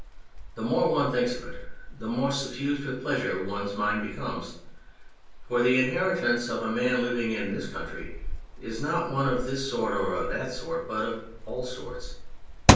The more one thinks of it the more suffused with pleasure one's mind becomes ; for the inheritance of a man living in this country is not one of this sort or of that sort, but of all sorts.